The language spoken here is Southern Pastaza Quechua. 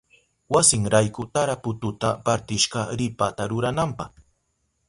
Wasinrayku tarapututa partishka ripata rurananpa.